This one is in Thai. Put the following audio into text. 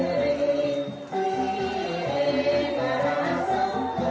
การทีลงเพลงสะดวกเพื่อความชุมภูมิของชาวไทยรักไทย